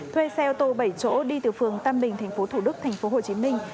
thuê xe ô tô bảy chỗ đi từ phường tân bình tp thủ đức tp hồ chí minh